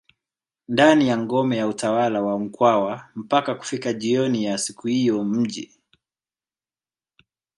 ndani ya ngome ya utawala wa mkwawa mpaka kufika jioni ya siku hiyo mji